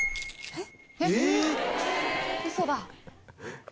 えっ！